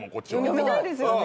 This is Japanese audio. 読みたいですよね。